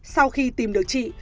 sau khi tìm được chị